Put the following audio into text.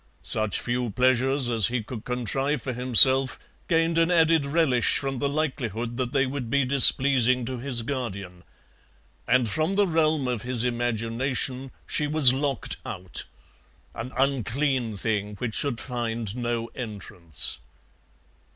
Such few pleasures as he could contrive for himself gained an added relish from the likelihood that they would be displeasing to his guardian, and from the realm of his imagination she was locked out an unclean thing, which should find no entrance.